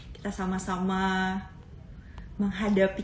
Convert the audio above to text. kita sama sama menghadapi